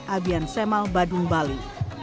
abian semal badung bali